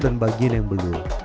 dan bagian yang belum